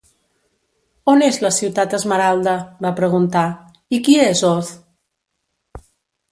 "On és la Ciutat Esmeralda?", va preguntar; "i qui és Oz?"